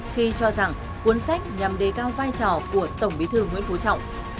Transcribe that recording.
khi cho rằng cuốn sách nhằm đề cao vai trò của tổng bí thư nguyễn phú trọng